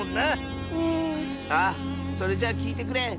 ああそれじゃあきいてくれ。